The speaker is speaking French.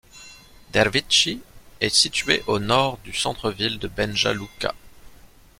Derviši est situé au nord du centre ville de Banja Luka.